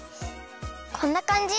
こんなかんじ？